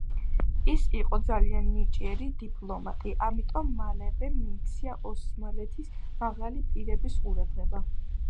ის იყო ძალიან ნიჭიერი დიპლომატი, ამიტომ მალევე მიიქცია ოსმალეთის მაღალი პირების ყურადღება.